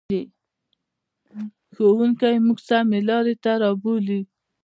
ښوونکی موږ سمې لارې ته رابولي.